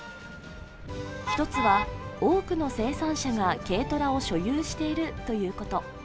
１つは多くの生産者が軽トラを所有しているということ。